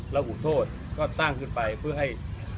ระบุโทษก็ตั้งขึ้นไปเพื่อให้